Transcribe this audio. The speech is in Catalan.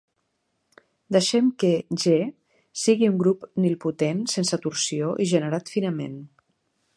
Deixem que "G" sigui un grup nilpotent sense torsió i generat finament.